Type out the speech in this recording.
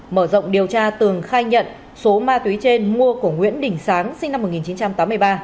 mở rộng điều tra tường khai nhận số ma túy trên mua của nguyễn đình sáng sinh năm một nghìn chín trăm tám mươi ba